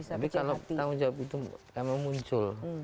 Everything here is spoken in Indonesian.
tapi kalau tanggung jawab itu memang muncul